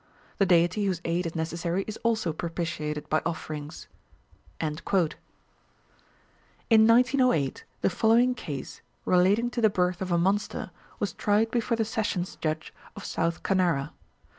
The deity whose aid is necessary is also propitiated by offerings." In 1908, the following case, relating to the birth of a monster, was tried before the Sessions Judge of South Canara.